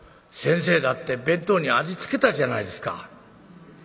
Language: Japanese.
先生だって弁当にありつけたじゃないですか」。